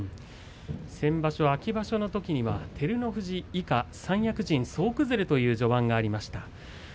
先場所、秋場所のときは照ノ富士三役が総崩れという場所がありました。